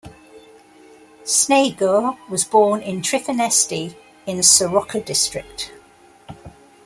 Snegur was born in Trifanesti, in Soroca District.